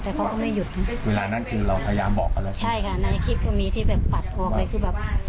แต่เขาก็ไม่หยุดนะเวลานั้นคือเราพยายามบอกกันแล้วใช่ค่ะในคลิปก็มีที่แบบปัดออกอะไรคือแบบ